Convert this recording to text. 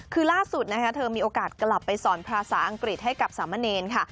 คือล่าสุดนะคะเธอมีโอกาสกลับไปสอนภาษาอังกฤษให้กับสามเณรค่ะ